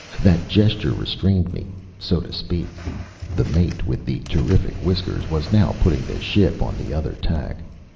That gesture restrained me, so to speak. The mate with the terrific whiskers was now putting the ship on the other tack.